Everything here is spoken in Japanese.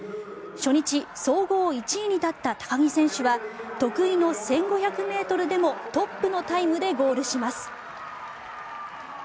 初日総合１位に立った高木選手は得意の１５００ｍでもトップのタイムでゴールします。